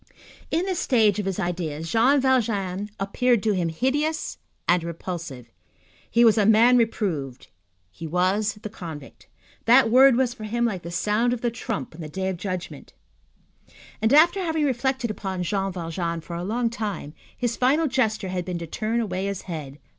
In this stage of his ideas, Jean Valjean appeared to him hideous and repulsive. He was a man reproved, he was the convict. That word was for him like the sound of the trump on the Day of Judgment; and, after having reflected upon Jean Valjean for a long time, his final gesture had been to turn away his head.